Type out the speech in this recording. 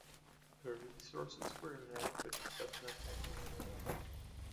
Her resources were inadequate to such an attack.